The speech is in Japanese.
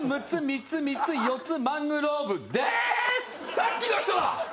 さっきの人だ！